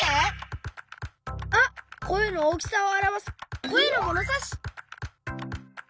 あっこえのおおきさをあらわすこえのものさし！